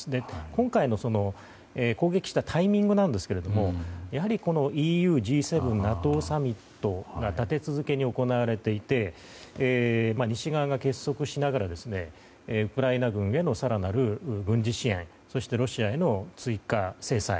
今回の攻撃したタイミングなんですがやはりＥＵ、Ｇ７ＮＡＴＯサミットが立て続けに行われていて西側が結束しながらウクライナ軍への更なる軍事支援そしてロシアへの追加制裁